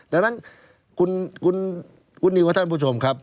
ดังนั้นคุณนิวกับท่านผู้ชมครับ